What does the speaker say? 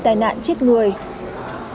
hãy đăng ký kênh để nhận thông tin nhất